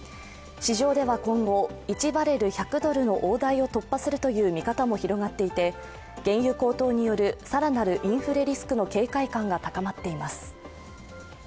市場では今後、１バレル１００ドルの大台を突破するという見方も広がっていて、原油高騰による更なるインフレリスクの警戒感が高まっています。